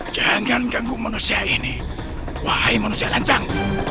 jangan ganggu manusia ini wahai manusia lancang